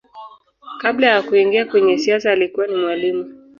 Kabla ya kuingia kwenye siasa alikuwa ni mwalimu.